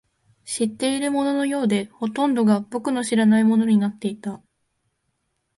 知っているもののようで、ほとんどが僕の知らないものになっていた